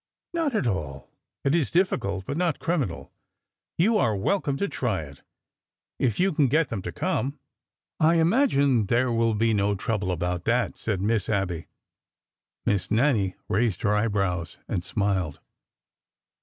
"Not at all. It is difficult, but not criminal. You are welcome to try it — if you can get them to come." " I imagine there will be no trouble about that," said Miss Abby. Miss Nannie raised her eyebrows and smiled.